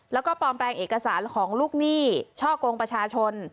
แล้วก็ปลอมแปลงเอกสารของลูกหนี้ช่อกงประชาชน